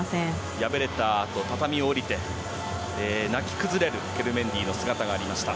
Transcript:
敗れたあと畳を下りて泣き崩れるケルメンディの姿がありました。